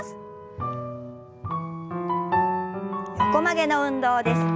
横曲げの運動です。